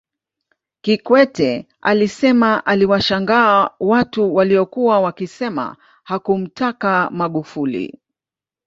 Kikwete alisema aliwashangaa watu waliokuwa wakisema hakumtaka Magufuli